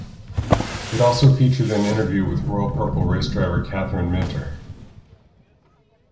It also featured an interview with Royal Purple race driver Kathryn Minter.